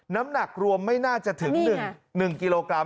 น้ำหนักรวมไม่น่าจะถึง๑กิโลกรัม